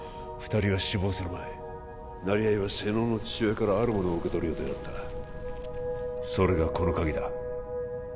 ２人が死亡する前成合は瀬能の父親からあるものを受け取る予定だったそれがこの鍵だ